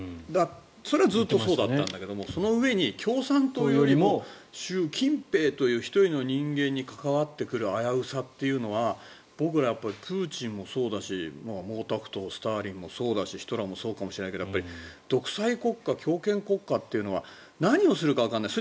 それはずっとそうだったんだけどそのうえに共産党よりも習近平という１人への人間に関わってくる危うさというのは僕らはプーチンもそうだし毛沢東、スターリンもそうだしヒトラーもそうかもしれないけど独裁国家、強権国家というのは何をするかわからない。